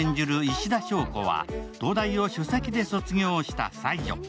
石田硝子は東大を首席で卒業した才女。